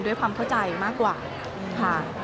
ด้วยความเข้าใจมากกว่าค่ะ